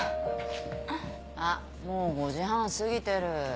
あっもう５時半過ぎてる。